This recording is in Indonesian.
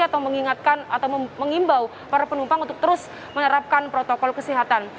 atau mengingatkan atau mengimbau para penumpang untuk terus menerapkan protokol kesehatan